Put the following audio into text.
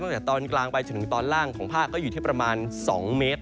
ตั้งแต่ตอนกลางไปจนถึงตอนล่างของภาคก็อยู่ที่ประมาณ๒เมตร